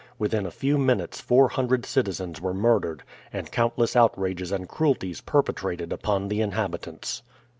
Within a few minutes four hundred citizens were murdered, and countless outrages and cruelties perpetrated upon the inhabitants.